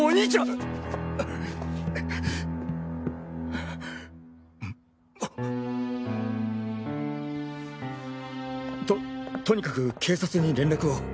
ハッ！ととにかく警察に連絡を。